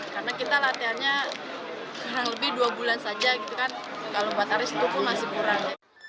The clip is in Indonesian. karena kita latihannya kurang lebih dua bulan saja kalau buat aries itu pun masih kurang